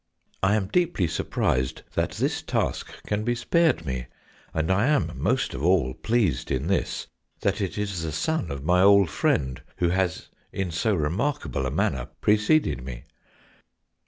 "I am deeply surprised that this task can be spared me, and I am most of all pleased in this that it is the son of my old friend who has in so remarkable a manner preceded me."